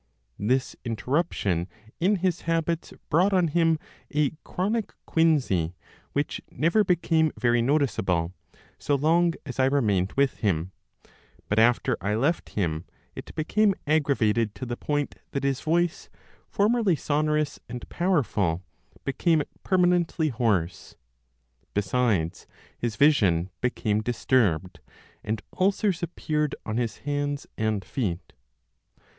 This interruption in his habits brought on him a chronic quinsy, which never became very noticeable, so long as I remained with him; but after I left him, it became aggravated to the point that his voice, formerly sonorous and powerful, became permanently hoarse; besides, his vision became disturbed, and ulcers appeared on his hands and feet.